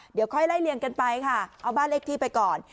เดี๋ยวค่อยไล่เลี่ยงกันไปค่ะเอาบ้านเลขที่ไปก่อน